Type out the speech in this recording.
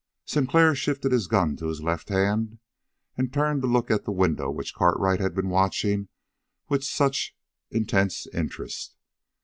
Sinclair shifted his gun to his left hand and turned to look at the window which Cartwright had been watching with such intense interest.